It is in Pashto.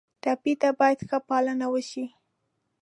ټپي ته باید ښه پالنه وشي.